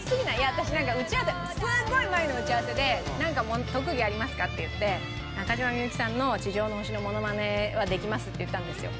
私なんかすごい前の打ち合わせで「なんか特技ありますか？」っていって「中島みゆきさんの『地上の星』のモノマネはできます」って言ったんですよ。